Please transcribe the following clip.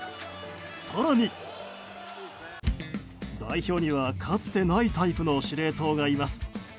更に代表にはかつてないタイプの司令塔がいます。